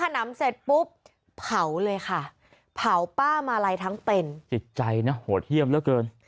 นะภาพป้ามะไหล่ทั้งเป็นติดใจนะหโหดเหี้ยมเว้อเกิน